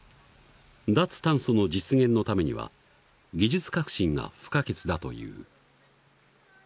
脱炭素の実現のためには技術革新が不可欠だという。